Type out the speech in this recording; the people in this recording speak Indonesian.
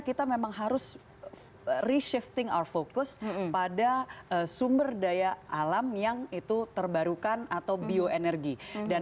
kita memang harus reshifting our fokus pada sumber daya alam yang itu terbarukan atau bioenergi dan